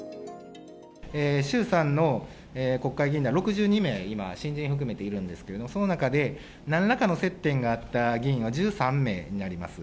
衆参の国会議員では６２名新人含めているんですけれども、その中でなんらかの接点があった議員が１３名になります。